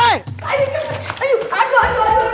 aduh aduh aduh